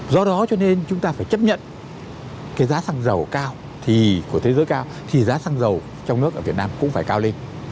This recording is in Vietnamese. do đó cho nên chúng ta phải chấp nhận cái giá xăng dầu cao thì của thế giới cao thì giá xăng dầu trong nước ở việt nam cũng phải cao lên